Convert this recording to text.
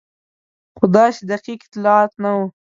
خو داسې دقیق اطلاعات نه وو.